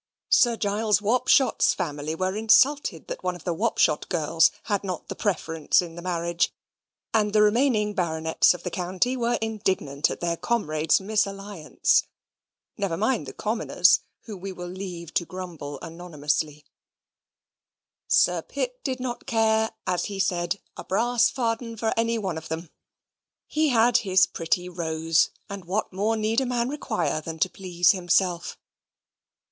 Sir Giles Wapshot's family were insulted that one of the Wapshot girls had not the preference in the marriage, and the remaining baronets of the county were indignant at their comrade's misalliance. Never mind the commoners, whom we will leave to grumble anonymously. Sir Pitt did not care, as he said, a brass farden for any one of them. He had his pretty Rose, and what more need a man require than to please himself?